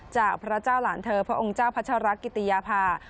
จากพระเจ้าหลานเธอพระองค์เจ้าพัชรกิติยาภา